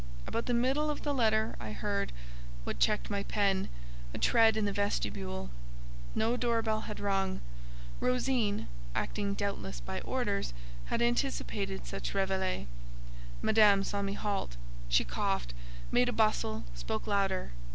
About the middle of the letter I heard—what checked my pen—a tread in the vestibule. No door bell had rung; Rosine—acting doubtless by orders—had anticipated such réveillée. Madame saw me halt. She coughed, made a bustle, spoke louder.